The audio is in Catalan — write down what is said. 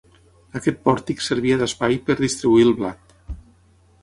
Aquest pòrtic servia d'espai per distribuir el blat.